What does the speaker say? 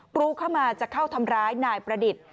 รูเข้ามาจะเข้าทำร้ายนายประดิษฐ์